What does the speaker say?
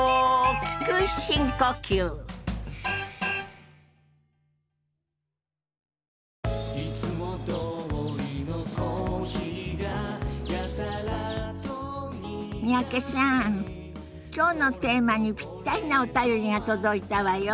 きょうのテーマにぴったりなお便りが届いたわよ。